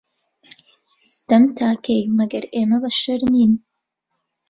ستەم تا کەی، مەگەر ئێمە بەشەر نین